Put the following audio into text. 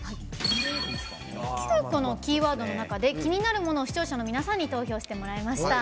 ９個のキーワードの中で気になるものを視聴者の皆さんに投稿してもらいました。